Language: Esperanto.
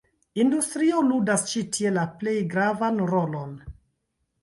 Industrio ludas ĉi tie la plej gravan rolon.